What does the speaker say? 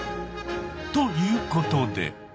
ということで。